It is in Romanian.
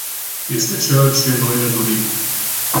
Este ceea ce noi ne dorim.